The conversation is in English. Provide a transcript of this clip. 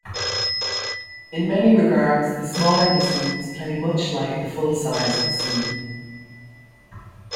In many regards the smaller bassoons play much like the full-size bassoon.